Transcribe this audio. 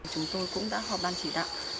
chúng tôi cũng đã họp ban chỉ đạo